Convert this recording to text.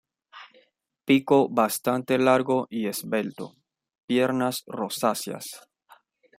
Pico bastante largo y esbelto; piernas rosáceas.